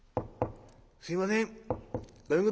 すいません。